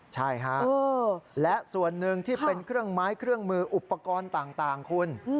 ใช่ฮะและส่วนหนึ่งที่เป็นเครื่องไม้เครื่องมืออุปกรณ์ต่างคุณ